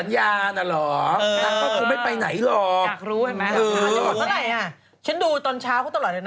ตรงรวมพี่พุทธอยู่ที่ไหนนะคะ